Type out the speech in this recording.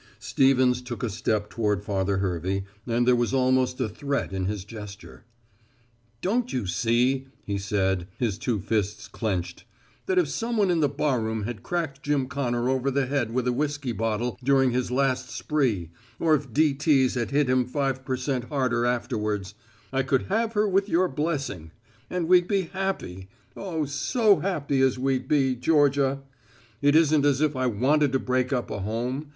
Stevens took a step toward Father Hervey and there was almost a threat in his gesture. "Don't you see," he said, his two fists clenched, "that if someone in the barroom had cracked Jim Connor over the head with a whiskey bottle during his last spree or if DTs had hit him five per cent harder afterwards I could have her with your blessing and we'd be happy oh, so happy as we'd be, Georgia! It isn't as if I wanted to break up a home.